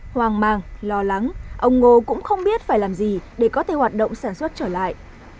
hoang mang lo lắng ông ngô cũng không biết phải làm gì để có thể hoạt động sản xuất trở lại